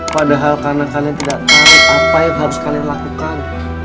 padahal karena kalian tidak tahu apa yang harus kalian lakukan